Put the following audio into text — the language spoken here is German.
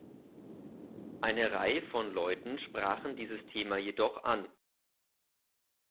Eine Reihe von Leuten sprachen dieses Thema jedoch an.